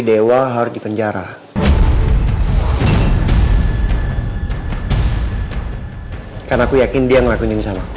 caught the wall harus dipenjara karena aku yakin dia ngelakuin